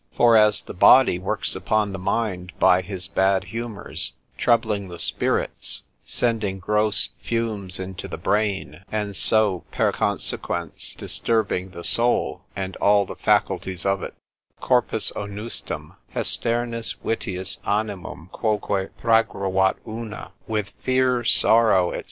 For as the body works upon the mind by his bad humours, troubling the spirits, sending gross fumes into the brain, and so per consequens disturbing the soul, and all the faculties of it, ———Corpus onustum, Hesternis vitiis animum quoque praegravat una, with fear, sorrow, &c.